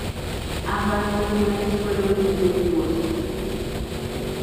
Ambas reuniones fueron infructuosas.